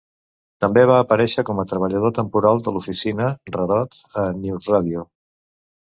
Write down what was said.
També va aparèixer com al treballador temporal de l'oficina "rarot" a "NewsRadio".